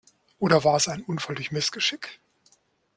Oder war es ein Unfall durch Missgeschick?